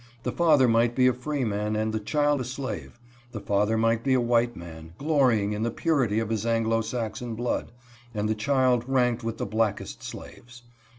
The father might be a freeman and the child a slave. The father might be a white man, glorying in the purity of his Anglo Saxon blood, and the child ranked with the blackest slaves.